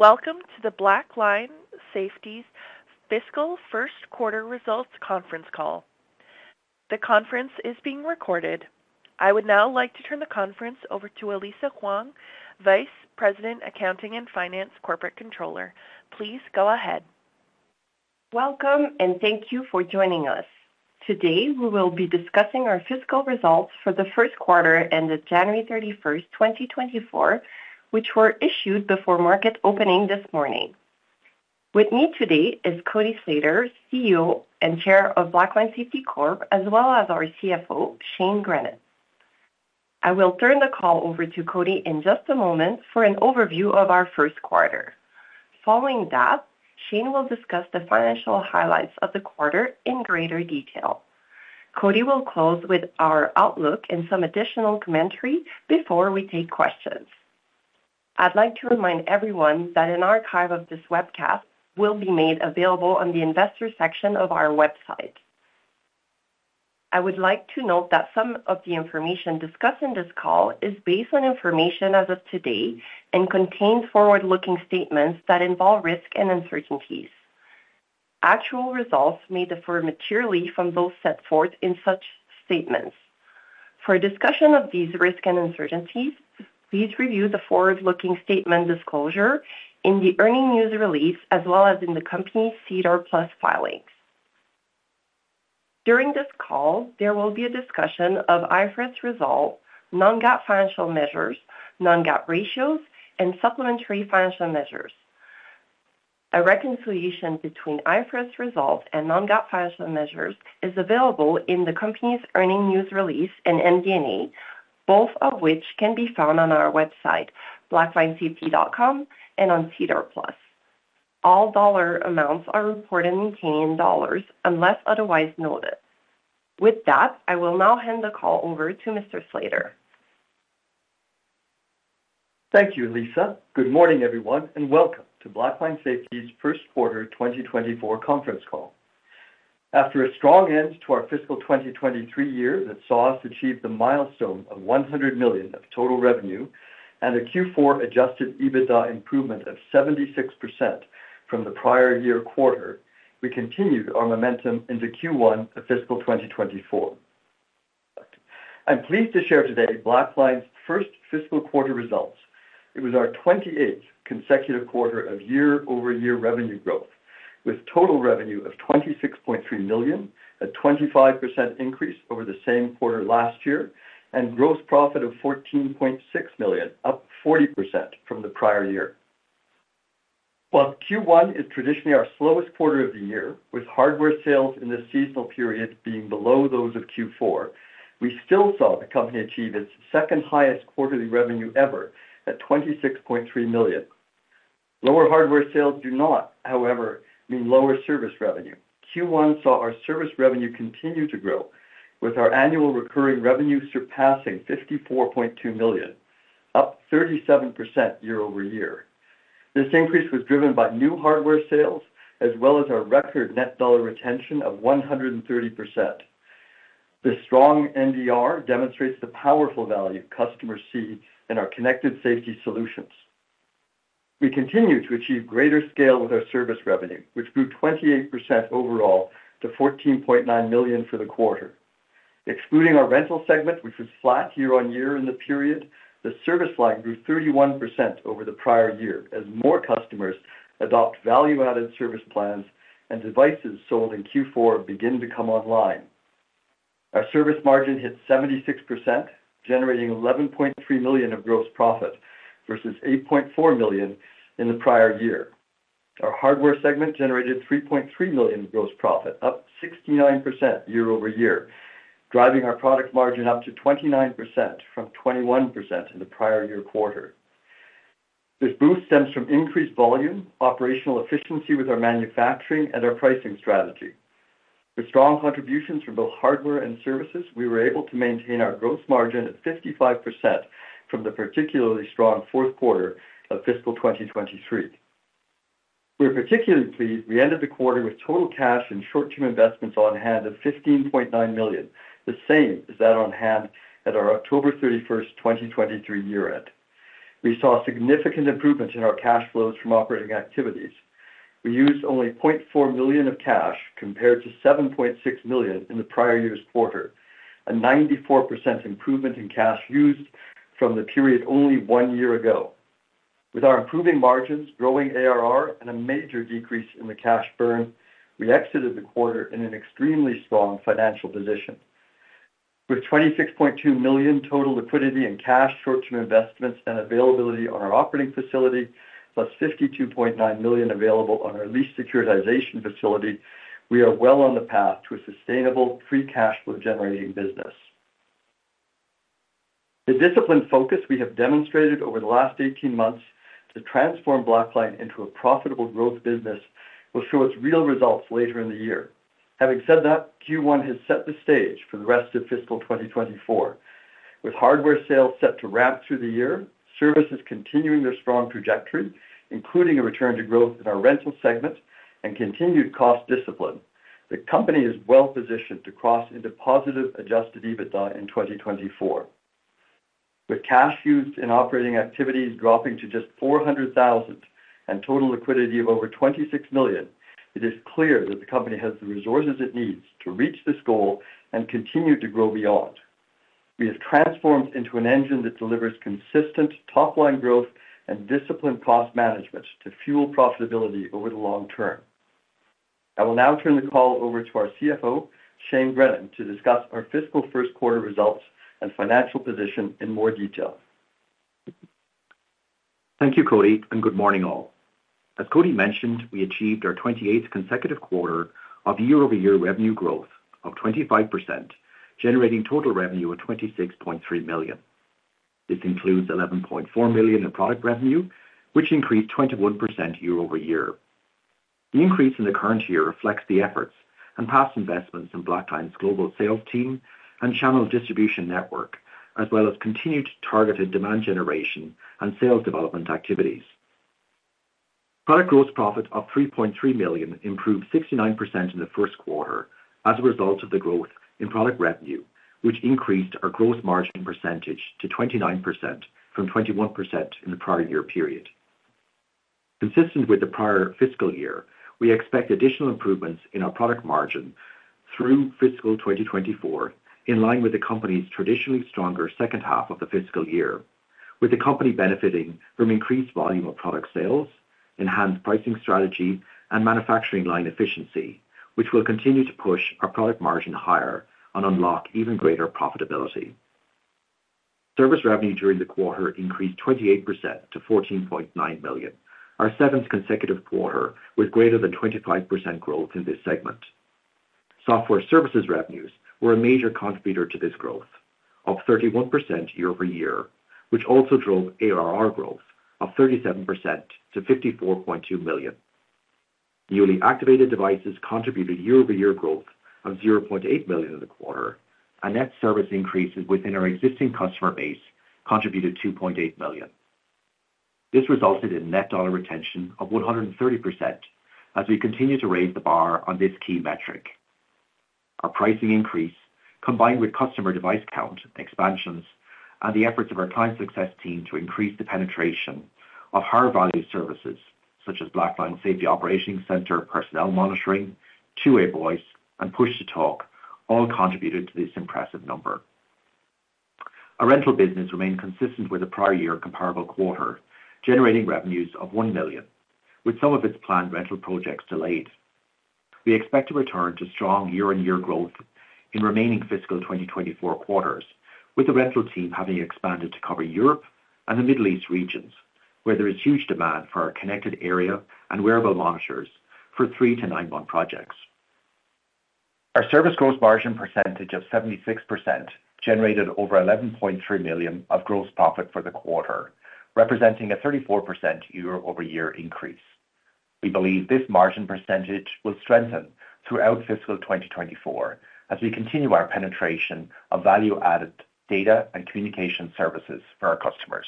Welcome to the Blackline Safety's Fiscal First Quarter Results Conference Call. The conference is being recorded. I would now like to turn the conference over to Elisa Khuong, Vice President, Accounting and Finance, Corporate Controller. Please go ahead. Welcome, and thank you for joining us. Today, we will be discussing our fiscal results for the first quarter ended January 31, 2024, which were issued before market opening this morning. With me today is Cody Slater, CEO and Chair of Blackline Safety Corp, as well as our CFO, Shane Grennan. I will turn the call over to Cody in just a moment for an overview of our first quarter. Following that, Shane will discuss the financial highlights of the quarter in greater detail. Cody will close with our outlook and some additional commentary before we take questions. I'd like to remind everyone that an archive of this webcast will be made available on the investor section of our website. I would like to note that some of the information discussed in this call is based on information as of today and contains forward-looking statements that involve risk and uncertainties. Actual results may differ materially from those set forth in such statements. For a discussion of these risks and uncertainties, please review the forward-looking statement disclosure in the earnings news release, as well as in the company's SEDAR+ filings. During this call, there will be a discussion of IFRS results, non-GAAP financial measures, non-GAAP ratios and supplementary financial measures. A reconciliation between IFRS results and non-GAAP financial measures is available in the company's earnings news release and MD&A, both of which can be found on our website, blacklinesafety.com, and on SEDAR+. All dollar amounts are reported in Canadian dollars, unless otherwise noted. With that, I will now hand the call over to Mr. Slater. Thank you, Elisa. Good morning, everyone, and welcome to Blackline Safety's First Quarter 2024 conference call. After a strong end to our fiscal 2023 year that saw us achieve the milestone of $ 100 million of total revenue and a Q4 adjusted EBITDA improvement of 76% from the prior-year quarter, we continued our momentum into Q1 of fiscal 2024. I'm pleased to share today Blackline's first fiscal quarter results. It was our 28th consecutive quarter of year-over-year revenue growth, with total revenue of $ 26.3 million, a 25% increase over the same quarter last year, and gross profit of $ 14.6 million, up 40% from the prior year. While Q1 is traditionally our slowest quarter of the year, with hardware sales in the seasonal period being below those of Q4, we still saw the company achieve its second-highest quarterly revenue ever at $26.3 million. Lower hardware sales do not, however, mean lower service revenue. Q1 saw our service revenue continue to grow, with our annual recurring revenue surpassing $54.2 million, up 37% year-over-year. This increase was driven by new hardware sales, as well as our record net dollar retention of 130%. This strong NDR demonstrates the powerful value customers see in our connected safety solutions. We continue to achieve greater scale with our service revenue, which grew 28% overall to $14.9 million for the quarter. Excluding our rental segment, which was flat year-over-year in the period, the service line grew 31% over the prior year as more customers adopt value-added service plans and devices sold in Q4 begin to come online. Our service margin hit 76%, generating $11.3 million of gross profit versus $8.4 million in the prior year. Our hardware segment generated $3.3 million in gross profit, up 69% year-over-year, driving our product margin up to 29% from 21% in the prior year quarter. This boost stems from increased volume, operational efficiency with our manufacturing, and our pricing strategy. With strong contributions from both hardware and services, we were able to maintain our gross margin at 55% from the particularly strong fourth quarter of fiscal 2023. We are particularly pleased we ended the quarter with total cash and short-term investments on hand of $15.9 million, the same as that on hand at our October 31, 2023 year-end. We saw significant improvements in our cash flows from operating activities. We used only $0.4 million of cash, compared to $7.6 million in the prior year's quarter, a 94% improvement in cash used from the period only one year ago. With our improving margins, growing ARR, and a major decrease in the cash burn, we exited the quarter in an extremely strong financial position. With $26.2 million total liquidity and cash, short-term investments, and availability on our operating facility, plus $52.9 million available on our lease securitization facility, we are well on the path to a sustainable, free cash flow-generating business. The disciplined focus we have demonstrated over the last 18 months to transform Blackline into a profitable growth business will show its real results later in the year. Having said that, Q1 has set the stage for the rest of fiscal 2024. With hardware sales set to ramp through the year, services continuing their strong trajectory, including a return to growth in our rental segment and continued cost discipline, the company is well positioned to cross into positive Adjusted EBITDA in 2024. With cash used in operating activities dropping to just $ 400,000 and total liquidity of over $26 million, it is clear that the company has the resources it needs to reach this goal and continue to grow beyond. We have transformed into an engine that delivers consistent top-line growth and disciplined cost management to fuel profitability over the long term. I will now turn the call over to our CFO, Shane Grennan, to discuss our fiscal first quarter results and financial position in more detail. Thank you, Cody, and good morning, all. As Cody mentioned, we achieved our 28th consecutive quarter of year-over-year revenue growth of 25%, generating total revenue of $26.3 million. This includes $11.4 million in product revenue, which increased 21% year-over-year. The increase in the current year reflects the efforts and past investments in Blackline's global sales team and channel distribution network, as well as continued targeted demand generation and sales development activities. Product gross profit of $3.3 million improved 69% in the first quarter as a result of the growth in product revenue, which increased our gross margin percentage to 29% from 21% in the prior year period. Consistent with the prior fiscal year, we expect additional improvements in our product margin through fiscal 2024, in line with the company's traditionally stronger second half of the fiscal year, with the company benefiting from increased volume of product sales, enhanced pricing strategy, and manufacturing line efficiency, which will continue to push our product margin higher and unlock even greater profitability. Service revenue during the quarter increased 28% to $14.9 million, our seventh consecutive quarter with greater than 25% growth in this segment. Software services revenues were a major contributor to this growth, up 31% year-over-year, which also drove ARR growth of 37% to $54.2 million. Newly activated devices contributed year-over-year growth of $0.8 million in the quarter, and net service increases within our existing customer base contributed $2.8 million. This resulted in net dollar retention of 130% as we continue to raise the bar on this key metric. Our pricing increase, combined with customer device count expansions and the efforts of our client success team to increase the penetration of higher value services, such as Blackline Safety Operations Center, Personnel Monitoring, Two-Way Voice, and Push-to-Talk, all contributed to this impressive number. Our rental business remained consistent with the prior year comparable quarter, generating revenues of $1 million, with some of its planned rental projects delayed. We expect to return to strong year-on-year growth in remaining fiscal 2024 quarters, with the rental team having expanded to cover Europe and the Middle East regions, where there is huge demand for our connected area and wearable monitors for three to nine month projects. Our service gross margin percentage of 76% generated over $11.3 million of gross profit for the quarter, representing a 34% year-over-year increase. We believe this margin percentage will strengthen throughout fiscal 2024 as we continue our penetration of value-added data and communication services for our customers.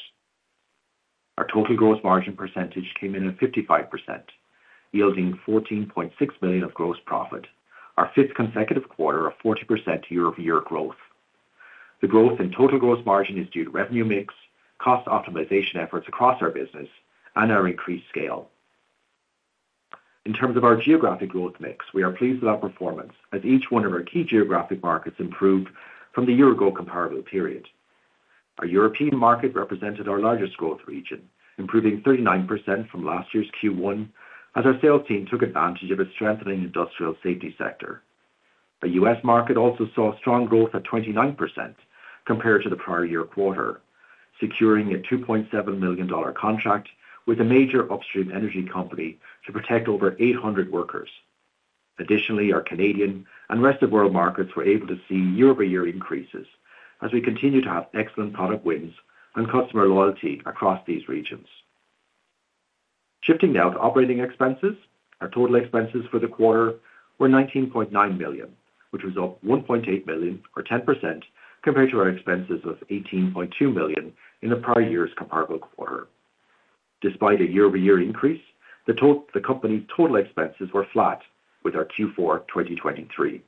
Our total gross margin percentage came in at 55%, yielding $14.6 million of gross profit, our fifth consecutive quarter of 40% year-over-year growth. The growth in total gross margin is due to revenue mix, cost optimization efforts across our business, and our increased scale. In terms of our geographic growth mix, we are pleased with our performance as each one of our key geographic markets improved from the year-ago comparable period. Our European market represented our largest growth region, improving 39% from last year's Q1, as our sales team took advantage of its strengthening industrial safety sector. The U.S. market also saw strong growth at 29% compared to the prior year quarter, securing a $2.7 million contract with a major upstream energy company to protect over 800 workers. Additionally, our Canadian and Rest of World markets were able to see year-over-year increases as we continue to have excellent product wins and customer loyalty across these regions. Shifting now to operating expenses, our total expenses for the quarter were $19.9 million, which was up $1.8 million, or 10%, compared to our expenses of $18.2 million in the prior year's comparable quarter. Despite a year-over-year increase, the company's total expenses were flat with our Q4 2023.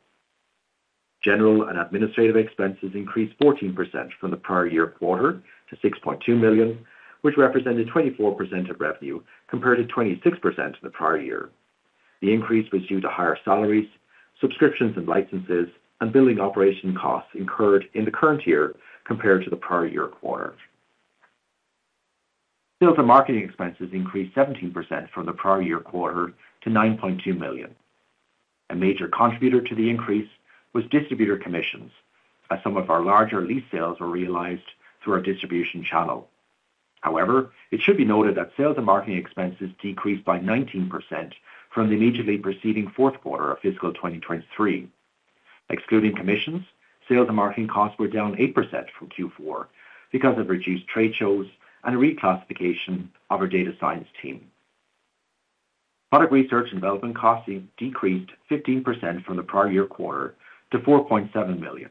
General and administrative expenses increased 14% from the prior year quarter to $6.2 million, which represented 24% of revenue, compared to 26% in the prior year. The increase was due to higher salaries, subscriptions and licenses, and building operation costs incurred in the current year compared to the prior year quarter. Sales and marketing expenses increased 17% from the prior year quarter to $9.2 million. A major contributor to the increase was distributor commissions, as some of our larger lease sales were realized through our distribution channel. However, it should be noted that sales and marketing expenses decreased by 19% from the immediately preceding fourth quarter of fiscal 2023. Excluding commissions, sales and marketing costs were down 8% from Q4 because of reduced trade shows and a reclassification of our data science team. Product research and development costs decreased 15% from the prior year quarter to $4.7 million,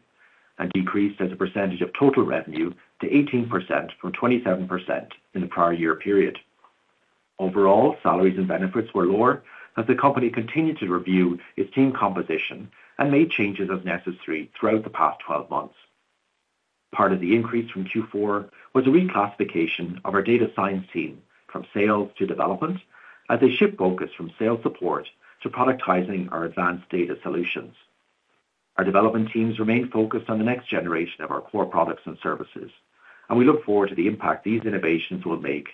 and decreased as a percentage of total revenue to 18% from 27% in the prior year period. Overall, salaries and benefits were lower as the company continued to review its team composition and made changes as necessary throughout the past 12 months. Part of the increase from Q4 was a reclassification of our data science team from sales to development, as they shift focus from sales support to productizing our advanced data solutions. Our development teams remain focused on the next generation of our core products and services, and we look forward to the impact these innovations will make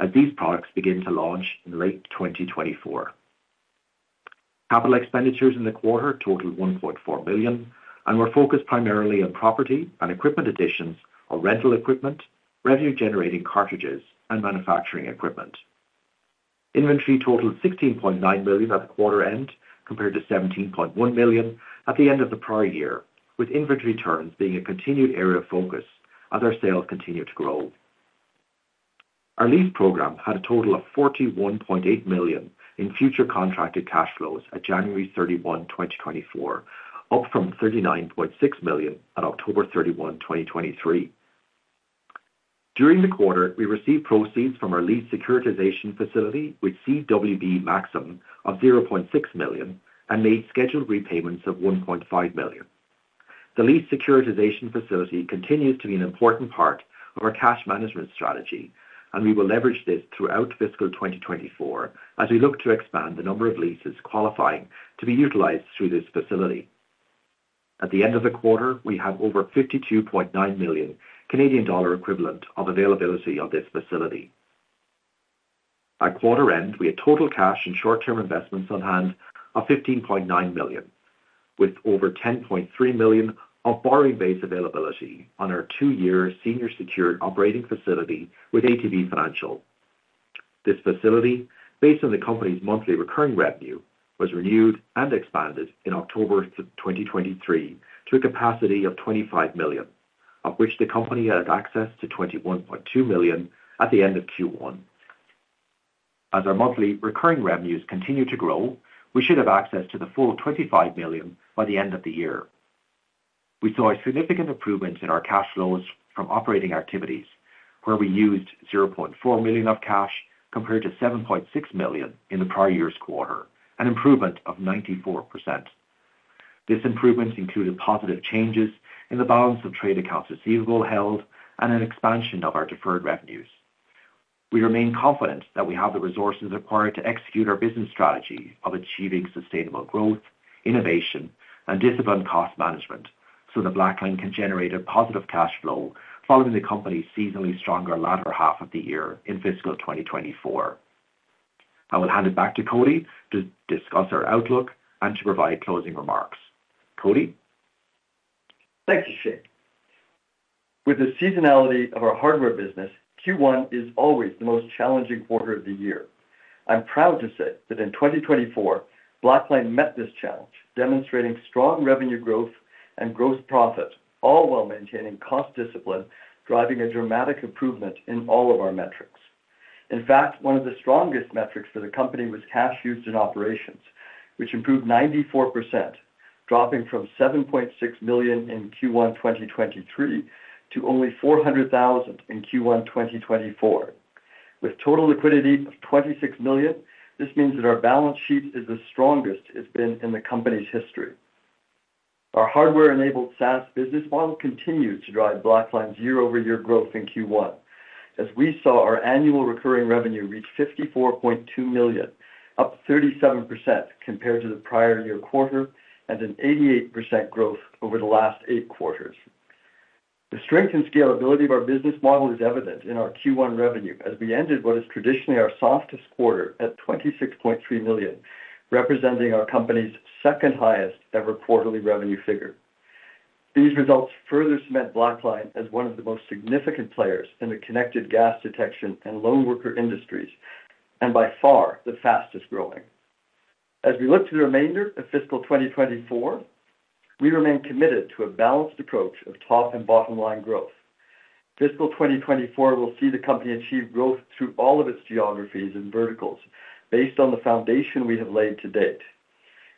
as these products begin to launch in late 2024. Capital expenditures in the quarter totaled $1.4 million and were focused primarily on property and equipment additions or rental equipment, revenue-generating cartridges, and manufacturing equipment. Inventory totaled $16.9 million at the quarter end, compared to $17.1 million at the end of the prior year, with inventory turns being a continued area of focus as our sales continue to grow. Our lease program had a total of $41.8 million in future contracted cash flows at January 31, 2024, up from $ 39.6 million on October 31, 2023. During the quarter, we received proceeds from our lease securitization facility with CWB Maxium of $ 0.6 million and made scheduled repayments of $1.5 million. The lease securitization facility continues to be an important part of our cash management strategy, and we will leverage this throughout fiscal 2024 as we look to expand the number of leases qualifying to be utilized through this facility. At the end of the quarter, we have over $52.9 million Canadian dollar equivalent of availability of this facility. At quarter end, we had total cash and short-term investments on hand of $15.9 million, with over $10.3 million of borrowing base availability on our two-year senior secured operating facility with ATB Financial. This facility, based on the company's monthly recurring revenue, was renewed and expanded in October of 2023 to a capacity of $25 million, of which the company had access to $21.2 million at the end of Q1. As our monthly recurring revenues continue to grow, we should have access to the full $25 million by the end of the year. We saw a significant improvement in our cash flows from operating activities, where we used $0.4 million of cash, compared to $7.6 million in the prior year's quarter, an improvement of 94%. This improvement included positive changes in the balance of trade accounts receivable held and an expansion of our deferred revenues. We remain confident that we have the resources required to execute our business strategy of achieving sustainable growth, innovation, and disciplined cost management, so that Blackline can generate a positive cash flow following the company's seasonally stronger latter half of the year in fiscal 2024. I will hand it back to Cody to discuss our outlook and to provide closing remarks. Cody? Thank you, Shane. With the seasonality of our hardware business, Q1 is always the most challenging quarter of the year. I'm proud to say that in 2024, Blackline met this challenge, demonstrating strong revenue growth and gross profit, all while maintaining cost discipline, driving a dramatic improvement in all of our metrics. In fact, one of the strongest metrics for the company was cash used in operations, which improved 94%, dropping from $7.6 million in Q1 2023 to only $400,000 in Q1 2024. With total liquidity of $26 million, this means that our balance sheet is the strongest it's been in the company's history. Our hardware-enabled SaaS business model continues to drive Blackline's year-over-year growth in Q1, as we saw our annual recurring revenue reach $54.2 million, up 37% compared to the prior year quarter and an 88% growth over the last eight quarters. The strength and scalability of our business model is evident in our Q1 revenue, as we ended what is traditionally our softest quarter at $26.3 million, representing our company's second highest ever quarterly revenue figure. These results further cement Blackline as one of the most significant players in the connected gas detection and lone worker industries, and by far, the fastest-growing. As we look to the remainder of fiscal 2024, we remain committed to a balanced approach of top and bottom line growth. Fiscal 2024 will see the company achieve growth through all of its geographies and verticals based on the foundation we have laid to date.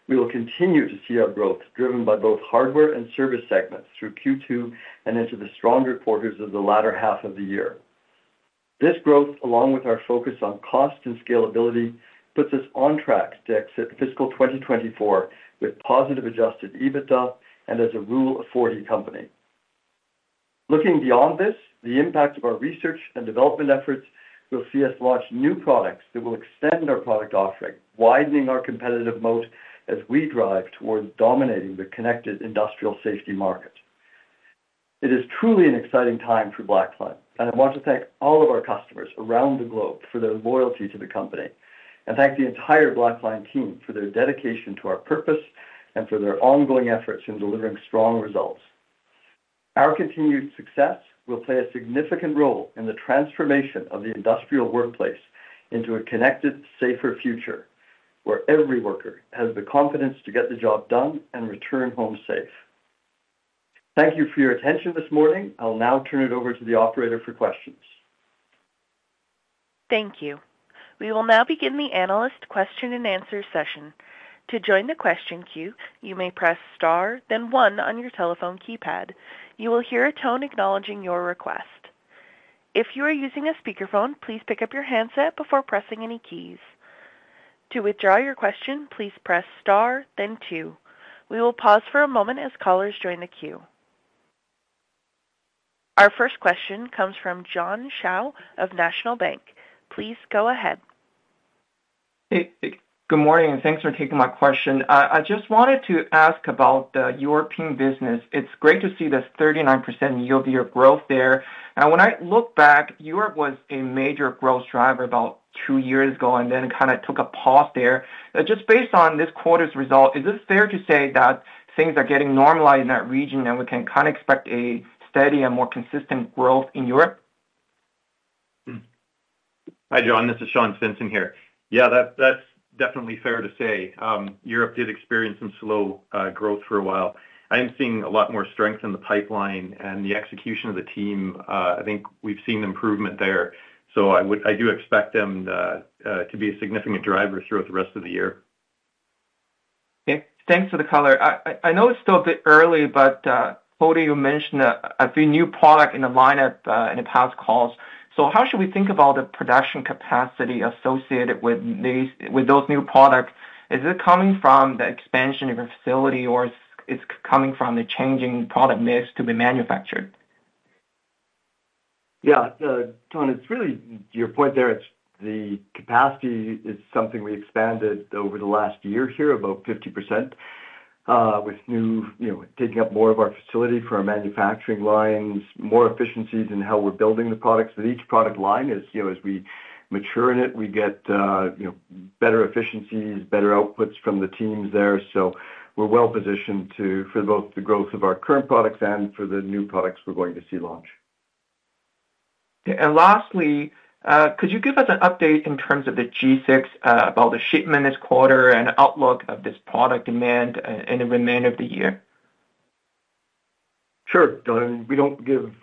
We will continue to see our growth driven by both hardware and service segments through Q2 and into the stronger quarters of the latter half of the year. This growth, along with our focus on cost and scalability, puts us on track to exit fiscal 2024 with positive Adjusted EBITDA and as a Rule of 40 company. Looking beyond this, the impact of our research and development efforts will see us launch new products that will extend our product offering, widening our competitive moat as we drive towards dominating the connected industrial safety market. It is truly an exciting time for Blackline, and I want to thank all of our customers around the globe for their loyalty to the company, and thank the entire Blackline team for their dedication to our purpose and for their ongoing efforts in delivering strong results. Our continued success will play a significant role in the transformation of the industrial workplace into a connected, safer future, where every worker has the confidence to get the job done and return home safe. Thank you for your attention this morning. I'll now turn it over to the operator for questions. Thank you. We will now begin the analyst question-and-answer session. To join the question queue, you may press star, then one on your telephone keypad. You will hear a tone acknowledging your request. If you are using a speakerphone, please pick up your handset before pressing any keys. To withdraw your question, please press star, then two. We will pause for a moment as callers join the queue. Our first question comes from John Shao of National Bank. Please go ahead. Hey, good morning, and thanks for taking my question. I just wanted to ask about the European business. It's great to see this 39% year-over-year growth there. Now, when I look back, Europe was a major growth driver about two years ago and then kind of took a pause there. But just based on this quarter's result, is it fair to say that things are getting normalized in that region, and we can kind of expect a steady and more consistent growth in Europe? Hi, John, this is Sean Stinson here. Yeah, that, that's definitely fair to say. Europe did experience some slow growth for a while. I am seeing a lot more strength in the pipeline and the execution of the team. I think we've seen improvement there, so I would—I do expect them to be a significant driver through the rest of the year. Okay. Thanks for the color. I know it's still a bit early, but Cody, you mentioned a few new product in the lineup in the past calls. So how should we think about the production capacity associated with these, with those new products? Is it coming from the expansion of your facility, or it's coming from the changing product mix to be manufactured? Yeah, John, it's really your point there. It's the capacity is something we expanded over the last year here, about 50%, with new, you know, taking up more of our facility for our manufacturing lines, more efficiencies in how we're building the products. But each product line is, you know, as we mature in it, we get, you know, better efficiencies, better outputs from the teams there. So we're well positioned to, for both the growth of our current products and for the new products we're going to see launch. Okay. And lastly, could you give us an update in terms of the G6, about the shipment this quarter and outlook of this product demand, in the remainder of the year? Sure, John. We don't give, you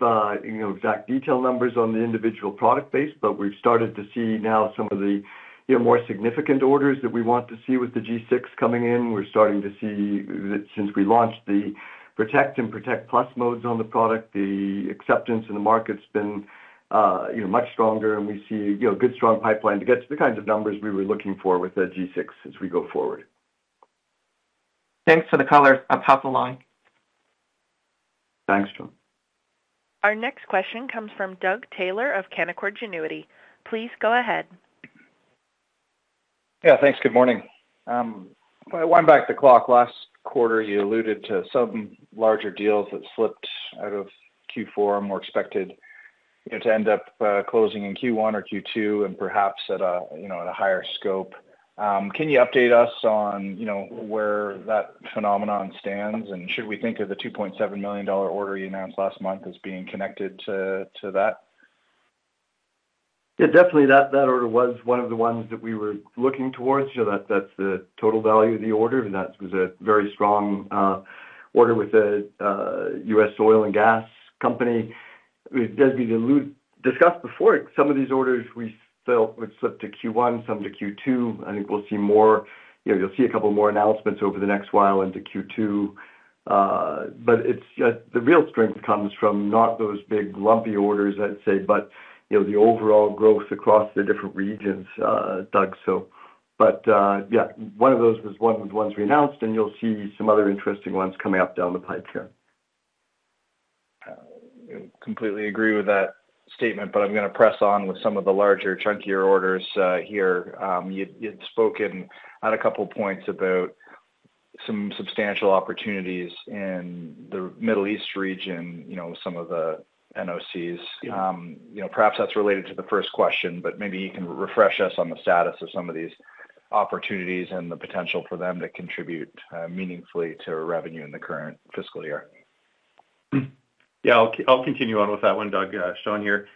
know, exact detail numbers on the individual product base, but we've started to see now some of the, you know, more significant orders that we want to see with the G6 coming in. We're starting to see that since we launched the Protect and Protect Plus modes on the product, the acceptance in the market's been, you know, much stronger and we see, you know, good, strong pipeline to get to the kinds of numbers we were looking for with the G6 as we go forward. Thanks for the color. I'll pass the line. Thanks, John. Our next question comes from Doug Taylor of Canaccord Genuity. Please go ahead. Yeah, thanks. Good morning. Wind back the clock, last quarter, you alluded to some larger deals that slipped out of Q4 and were expected, you know, to end up closing in Q1 or Q2 and perhaps at a, you know, at a higher scope. Can you update us on, you know, where that phenomenon stands? And should we think of the $2.7 million order you announced last month as being connected to, to that? Yeah, definitely that order was one of the ones that we were looking towards. So that's the total value of the order, and that was a very strong order with the U.S. oil and gas company. As we discussed before, some of these orders we felt would slip to Q1, some to Q2. I think we'll see more. You know, you'll see a couple more announcements over the next while into Q2. But it's the real strength comes from not those big, lumpy orders, I'd say, but you know, the overall growth across the different regions, Doug. So yeah, one of those was one of the ones we announced, and you'll see some other interesting ones coming up down the pipe here. I completely agree with that statement, but I'm going to press on with some of the larger, chunkier orders here. You'd spoken at a couple points about some substantial opportunities in the Middle East region, you know, with some of the NOCs. Yeah. You know, perhaps that's related to the first question, but maybe you can refresh us on the status of some of these opportunities and the potential for them to contribute meaningfully to revenue in the current fiscal year. Yeah, I'll continue on with that one, Doug. Sean here.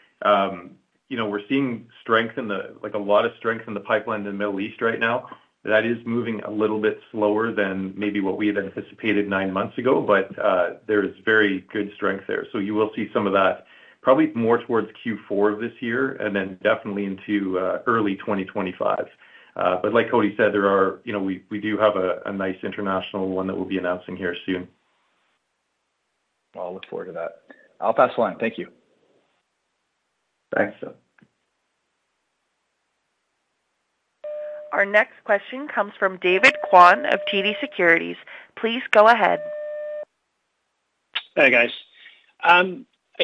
You know, we're seeing strength in the—like, a lot of strength in the pipeline in the Middle East right now. That is moving a little bit slower than maybe what we had anticipated nine months ago, but there is very good strength there. So you will see some of that probably more towards Q4 of this year and then definitely into early 2025. But like Cody said, there are... You know, we do have a nice international one that we'll be announcing here soon. I'll look forward to that. I'll pass the line. Thank you. Thanks, Doug. Our next question comes from David Kwan of TD Securities. Please go ahead. Hi, guys. I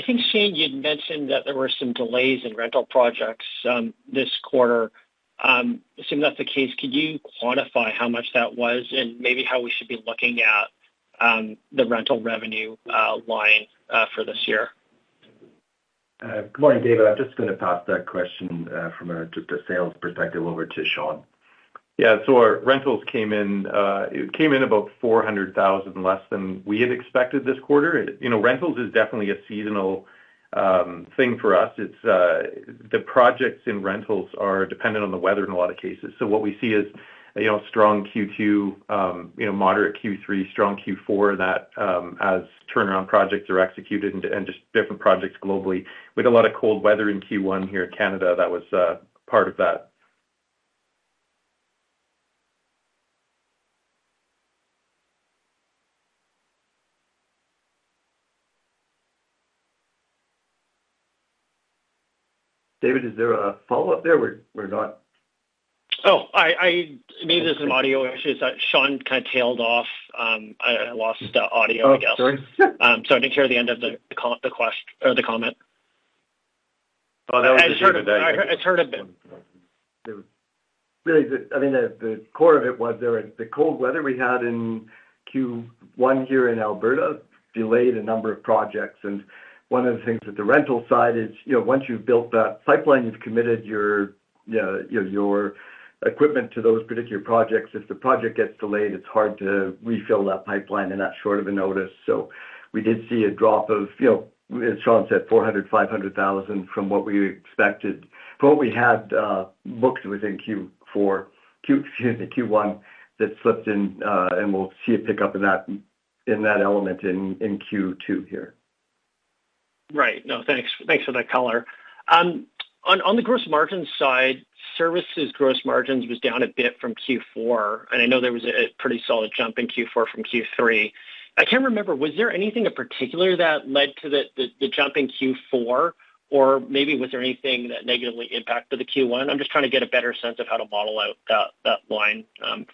think, Shane, you'd mentioned that there were some delays in rental projects, this quarter. Assuming that's the case, could you quantify how much that was and maybe how we should be looking at the rental revenue line for this year? Good morning, David. I'm just going to pass that question from just a sales perspective over to Sean. Yeah. So our rentals came in, it came in about $400,000 less than we had expected this quarter. You know, rentals is definitely a seasonal thing for us. It's the projects in rentals are dependent on the weather in a lot of cases. So what we see is, you know, strong Q2, you know, moderate Q3, strong Q4, and that as turnaround projects are executed and just different projects globally. We had a lot of cold weather in Q1 here in Canada. That was part of that. David, is there a follow-up there? We're not- Oh, maybe there's some audio issues that Sean kind of tailed off. I lost the audio, I guess. Oh, sorry. So I didn't hear the end of the question or the comment. Oh, that was- I heard a bit. Really, I mean, the core of it was there, the cold weather we had in Q1 here in Alberta delayed a number of projects, and one of the things with the rental side is, you know, once you've built that pipeline, you've committed your, you know, your equipment to those particular projects. If the project gets delayed, it's hard to refill that pipeline and that short of a notice. So we did see a drop of, you know, as Sean said, $400,000-$500,000 from what we expected, from what we had, booked within Q4, Q1, that slipped in, and we'll see a pickup in that, in that element in, in Q2 here. Right. No, thanks. Thanks for that color. On the gross margin side, services gross margins was down a bit from Q4, and I know there was a pretty solid jump in Q4 from Q3. I can't remember, was there anything in particular that led to the jump in Q4, or maybe was there anything that negatively impacted the Q1? I'm just trying to get a better sense of how to model out that line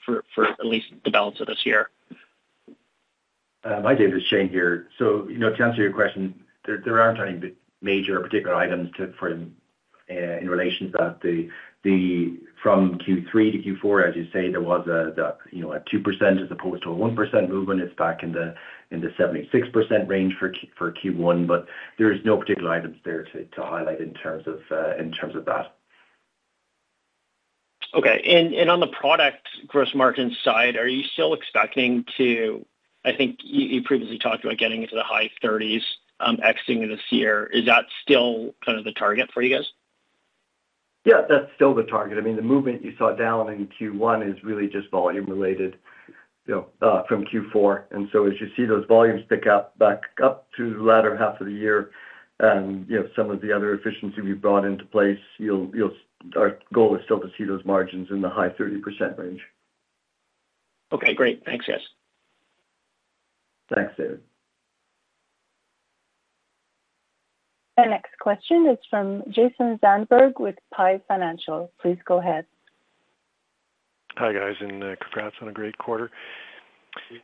for at least the balance of this year. Hi, David, Shane here. So, you know, to answer your question, there aren't any major particular items to, for, in relation to that. The from Q3 to Q4, as you say, there was a you know, a 2% as opposed to a 1% movement. It's back in the 76% range for Q1, but there is no particular items there to highlight in terms of that. Okay. And, and on the product gross margin side, are you still expecting to... I think you, you previously talked about getting into the high thirties, exiting this year. Is that still kind of the target for you guys? Yeah, that's still the target. I mean, the movement you saw down in Q1 is really just volume related, you know, from Q4. And so as you see those volumes pick up back up to the latter half of the year and, you know, some of the other efficiency we've brought into place, you'll. Our goal is still to see those margins in the high 30% range. Okay, great. Thanks, guys. Thanks, David. The next question is from Jason Zandberg with PI Financial. Please go ahead. Hi, guys, and congrats on a great quarter.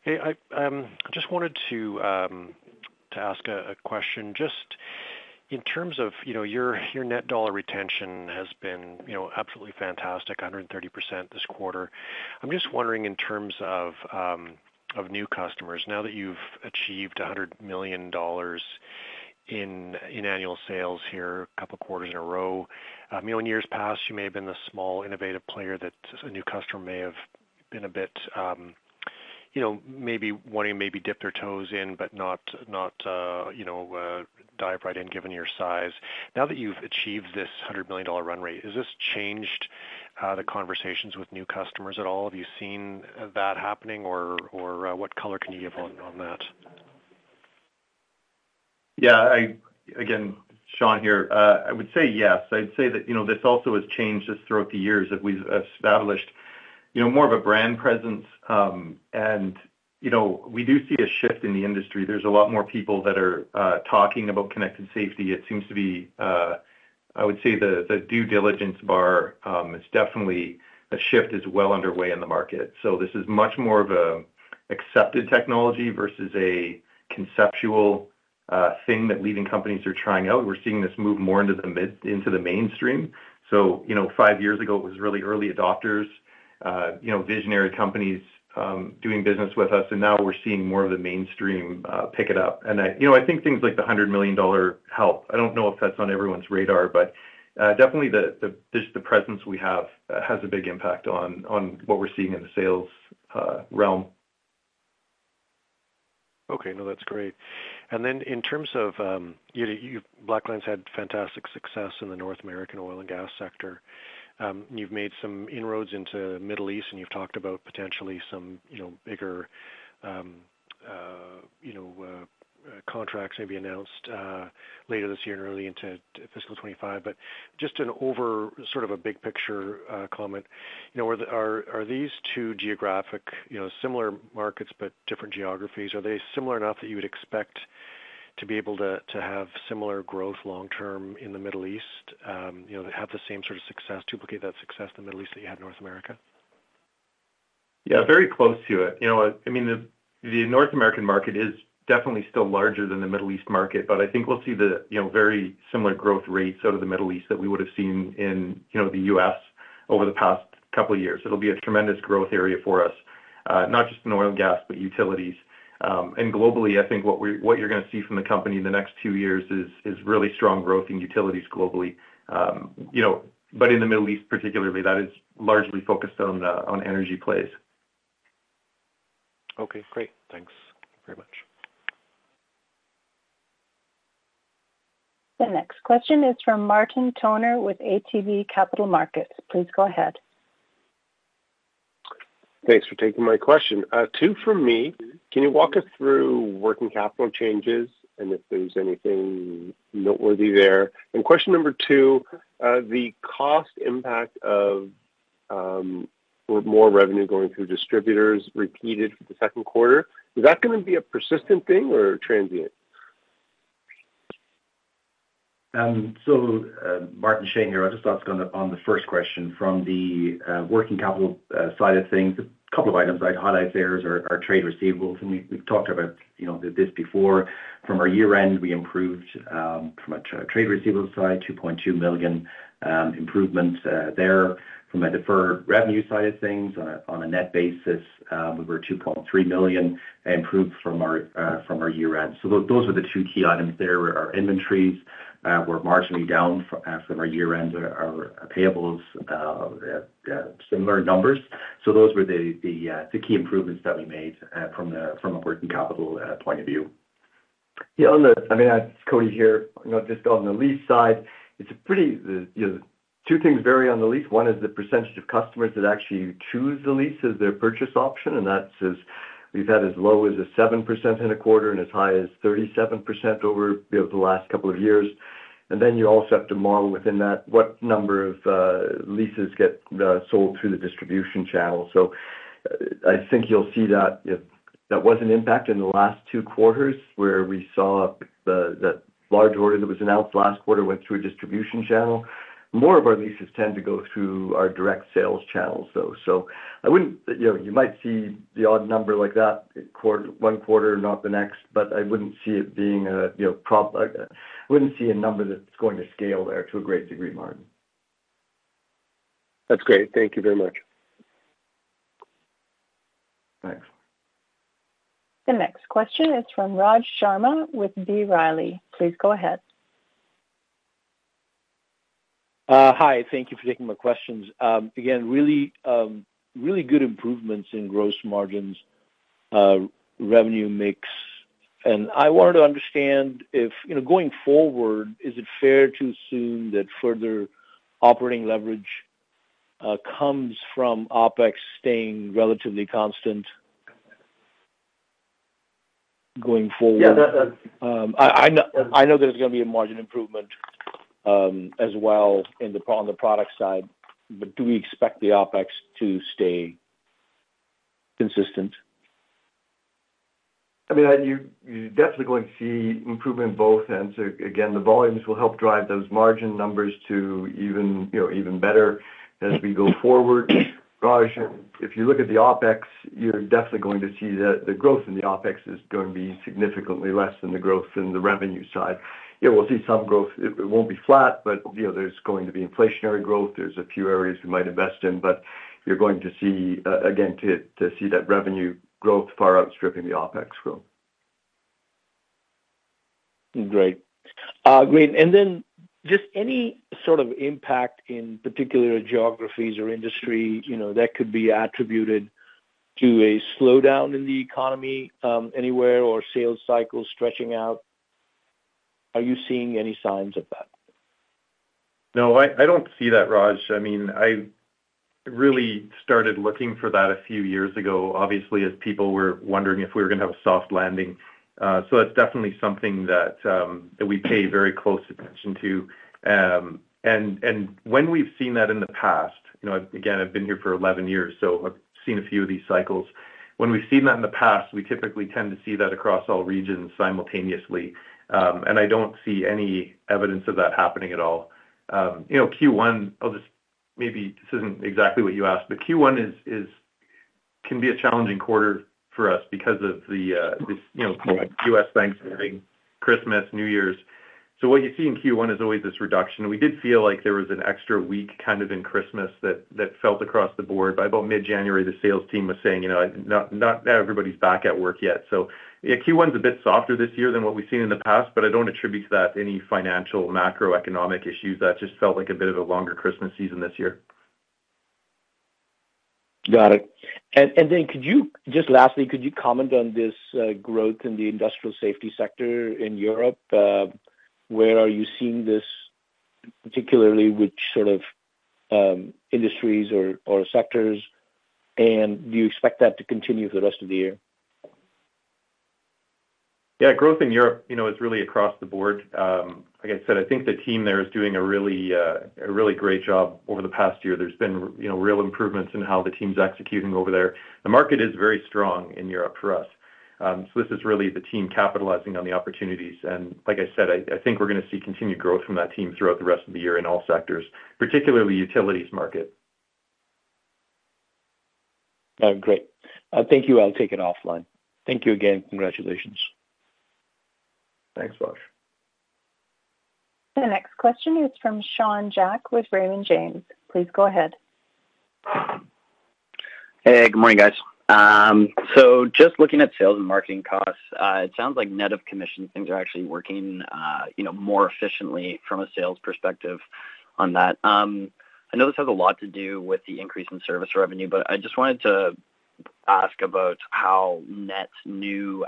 Hey, I just wanted to ask a question. Just in terms of, you know, your net dollar retention has been, you know, absolutely fantastic, 130% this quarter. I'm just wondering, in terms of new customers, now that you've achieved $100 million in annual sales here, a couple of quarters in a row, you know, in years past, you may have been the small, innovative player that a new customer may have been a bit, you know, maybe wanting to maybe dip their toes in, but not you know dive right in, given your size. Now that you've achieved this $100 million dollar run rate, has this changed the conversations with new customers at all? Have you seen that happening, or what color can you give on that? Yeah, again, Sean here. I would say yes. I'd say that, you know, this also has changed just throughout the years, that we've established, you know, more of a brand presence. And, you know, we do see a shift in the industry. There's a lot more people that are talking about connected safety. It seems to be, I would say the, the due diligence bar is definitely a shift is well underway in the market. So this is much more of a accepted technology versus a conceptual thing that leading companies are trying out. We're seeing this move more into the mid- into the mainstream. So, you know, five years ago, it was really early adopters, you know, visionary companies doing business with us, and now we're seeing more of the mainstream pick it up. I, you know, I think things like the $100 million help. I don't know if that's on everyone's radar, but definitely just the presence we have has a big impact on what we're seeing in the sales realm. Okay. No, that's great. And then in terms of you, Blackline's had fantastic success in the North American oil and gas sector. You've made some inroads into Middle East, and you've talked about potentially some, you know, bigger, you know, contracts may be announced, later this year and early into fiscal 2025. But just an over sort of a big picture, comment, you know, are these two geographic, you know, similar markets but different geographies, are they similar enough that you would expect to be able to, to have similar growth long term in the Middle East, you know, have the same sort of success, duplicate that success in the Middle East that you had in North America? Yeah, very close to it. You know what? I mean, the North American market is definitely still larger than the Middle East market, but I think we'll see, you know, very similar growth rates out of the Middle East that we would have seen in, you know, the U.S. over the past couple of years. It'll be a tremendous growth area for us, not just in oil and gas, but utilities. Globally, I think what you're gonna see from the company in the next two years is really strong growth in utilities globally. You know, but in the Middle East particularly, that is largely focused on energy plays. Okay, great. Thanks very much. The next question is from Martin Toner with ATB Capital Markets. Please go ahead. Thanks for taking my question. Two from me. Can you walk us through working capital changes, and if there's anything noteworthy there? And question number two, the cost impact of- with more revenue going through distributors repeated for the second quarter. Is that gonna be a persistent thing or transient? So, Shane here. I'll just talk on the first question. From the working capital side of things, a couple of items I'd highlight there is our trade receivables, and we've talked about, you know, this before. From our year-end, we improved from a trade receivables side, $2.2 million improvement there. From a deferred revenue side of things, on a net basis, we were $2.3 million improved from our year-end. So those were the two key items there. Our inventories were marginally down from our year-end. Our payables similar numbers. So those were the key improvements that we made from a working capital point of view. Yeah, on the... I mean, it's Cody here. You know, just on the lease side, it's a pretty, you know... Two things vary on the lease. One is the percentage of customers that actually choose the lease as their purchase option, and that's as, we've had as low as 7% in a quarter and as high as 37% over, you know, the last couple of years. And then you also have to model within that, what number of leases get sold through the distribution channel. So I think you'll see that, if that was an impact in the last two quarters, where we saw the large order that was announced last quarter went through a distribution channel. More of our leases tend to go through our direct sales channels, though. I wouldn't, you know, you might see the odd number like that quarter, one quarter, not the next, but I wouldn't see it being a, you know, I wouldn't see a number that's going to scale there to a great degree, Martin. That's great. Thank you very much. Thanks. The next question is from Raj Sharma with B. Riley. Please go ahead. Hi, thank you for taking my questions. Again, really good improvements in gross margins, revenue mix. I wanted to understand if, you know, going forward, is it fair to assume that further operating leverage comes from OpEx staying relatively constant going forward? Yeah, that- I know there's gonna be a margin improvement as well on the product side, but do we expect the OpEx to stay consistent? I mean, you, you're definitely going to see improvement in both ends. Again, the volumes will help drive those margin numbers to even, you know, even better as we go forward. Raj, if you look at the OpEx, you're definitely going to see that the growth in the OpEx is going to be significantly less than the growth in the revenue side. Yeah, we'll see some growth. It won't be flat, but, you know, there's going to be inflationary growth. There's a few areas we might invest in, but you're going to see, again, to see that revenue growth far outstripping the OpEx growth. Great. Great. And then just any sort of impact in particular geographies or industry, you know, that could be attributed to a slowdown in the economy, anywhere, or sales cycle stretching out? Are you seeing any signs of that? No, I, I don't see that, Raj. I mean, I really started looking for that a few years ago, obviously, as people were wondering if we were gonna have a soft landing. So that's definitely something that we pay very close attention to. And when we've seen that in the past, you know, again, I've been here for 11 years, so I've seen a few of these cycles. When we've seen that in the past, we typically tend to see that across all regions simultaneously, and I don't see any evidence of that happening at all. You know, Q1, I'll just maybe this isn't exactly what you asked, but Q1 is, is, can be a challenging quarter for us because of the this, you know, U.S. Thanksgiving, Christmas, New Year's. So what you see in Q1 is always this reduction. We did feel like there was an extra week kind of in Christmas that felt across the board. By about mid-January, the sales team was saying, "You know, not everybody's back at work yet." So, yeah, Q1's a bit softer this year than what we've seen in the past, but I don't attribute that to any financial macroeconomic issues. That just felt like a bit of a longer Christmas season this year. Got it. And then could you just lastly comment on this growth in the industrial safety sector in Europe? Where are you seeing this, particularly which sort of industries or sectors, and do you expect that to continue for the rest of the year? Yeah, growth in Europe, you know, is really across the board. Like I said, I think the team there is doing a really, a really great job over the past year. There's been, you know, real improvements in how the team's executing over there. The market is very strong in Europe for us. So this is really the team capitalizing on the opportunities, and like I said, I, I think we're gonna see continued growth from that team throughout the rest of the year in all sectors, particularly the utilities market. Oh, great. Thank you. I'll take it offline. Thank you again. Congratulations. Thanks, Raj. The next question is from Sean Jack with Raymond James. Please go ahead. Hey, good morning, guys. So just looking at sales and marketing costs, it sounds like net of commission, things are actually working, you know, more efficiently from a sales perspective on that. I know this has a lot to do with the increase in service revenue, but I just wanted to ask about how net new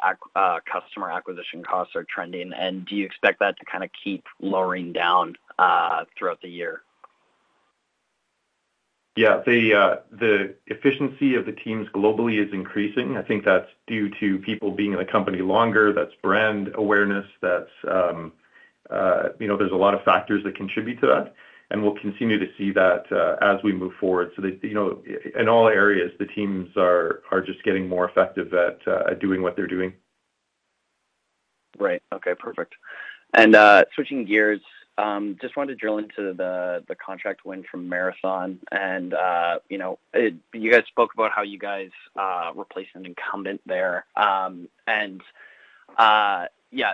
customer acquisition costs are trending, and do you expect that to kinda keep lowering down throughout the year? Yeah, the efficiency of the teams globally is increasing. I think that's due to people being in the company longer. That's brand awareness. That's, you know, there's a lot of factors that contribute to that, and we'll continue to see that as we move forward. So, you know, in all areas, the teams are just getting more effective at doing what they're doing. Right. Okay, perfect. And switching gears, just wanted to drill into the contract win from Marathon. And you guys spoke about how you guys replaced an incumbent there. Yeah,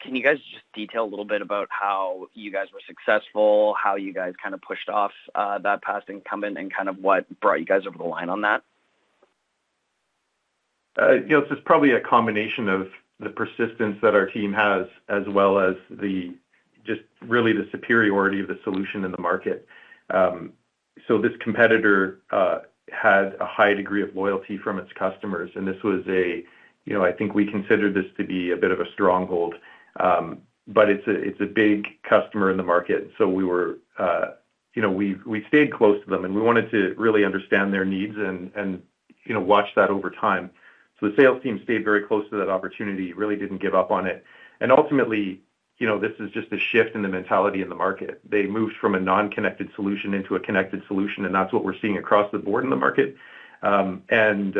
can you guys just detail a little bit about how you guys were successful, how you guys kind of pushed off that past incumbent, and kind of what brought you guys over the line on that? You know, it's just probably a combination of the persistence that our team has, as well as the, just really the superiority of the solution in the market. So this competitor had a high degree of loyalty from its customers, and this was a, you know, I think we considered this to be a bit of a stronghold. But it's a big customer in the market, so we were, you know, we stayed close to them, and we wanted to really understand their needs and, you know, watch that over time. So the sales team stayed very close to that opportunity, really didn't give up on it. And ultimately, you know, this is just a shift in the mentality in the market. They moved from a non-connected solution into a connected solution, and that's what we're seeing across the board in the market. And,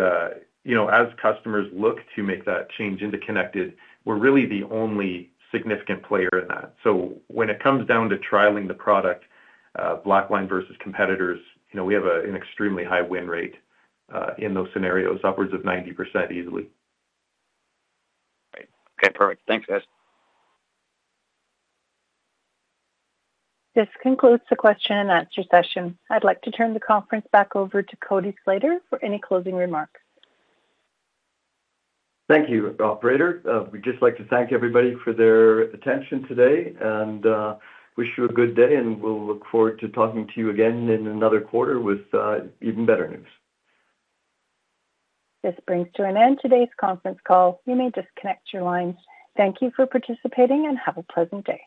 you know, as customers look to make that change into connected, we're really the only significant player in that. So when it comes down to trialing the product, Blackline versus competitors, you know, we have a, an extremely high win rate, in those scenarios, upwards of 90% easily. Great. Okay, perfect. Thanks, guys. This concludes the question and answer session. I'd like to turn the conference back over to Cody Slater for any closing remarks. Thank you, operator. We'd just like to thank everybody for their attention today, and wish you a good day, and we'll look forward to talking to you again in another quarter with even better news. This brings to an end today's conference call. You may disconnect your lines. Thank you for participating, and have a pleasant day.